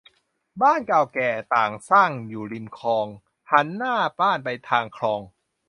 บ้านเก่าแก่ต่างสร้างอยู่ริมคลอง หันหน้าบ้านไปทางคลอง